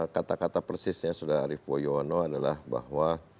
kata kata persisnya saudara arief waryuwono adalah bahwa